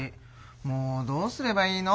もうどうすればいいの？